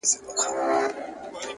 صبر د لویو هدفونو ساتونکی دی